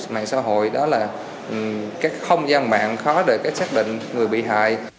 mạng xã hội đó là các không gian mạng khó để xác định người bị hại